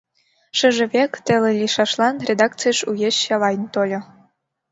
Шыже век, теле лийшашлан, редакцийыш угыч Чавайн тольо.